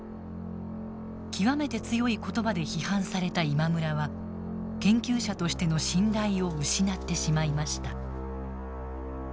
極めて強い言葉で批判された今村は研究者としての信頼を失ってしまいました。